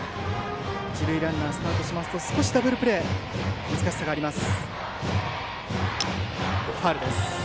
一塁ランナーがスタートしますと少しダブルプレー難しさがあります。